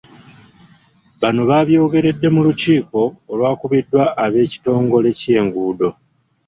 Bano baabyogeredde mu lukiiko olwakubiddwa ab'ekitongole ekye'nguudo.